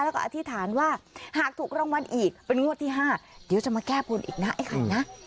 แล้วก็อธิษฐานว่าหากถูกรางวัลอีกเป็นงวดที่๕เดี๋ยวจะมาแก้บนอีกนะไอ้ไข่นะ